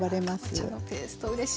かぼちゃのペーストうれしい。